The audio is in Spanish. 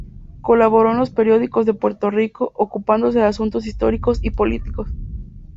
Colaboró en los periódicos de Puerto Rico ocupándose de asuntos históricos y políticos.